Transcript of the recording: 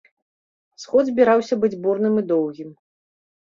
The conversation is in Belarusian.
Сход збіраўся быць бурным і доўгім.